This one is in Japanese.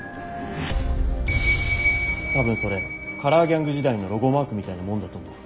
多分それカラーギャング時代のロゴマークみたいなもんだと思う。